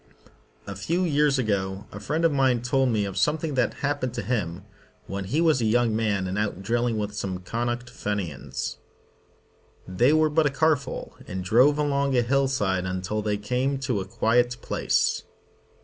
A few years ago a friend of mine told me of something that happened to him when he was a young man and out drilling with some Connaught Fenians. They were but a car full, and drove along a hill side until they came to a quiet place.